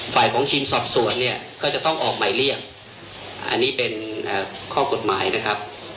ของทีมสอบสวนเนี่ยก็จะต้องออกหมายเรียกอันนี้เป็นข้อกฎหมายนะครับ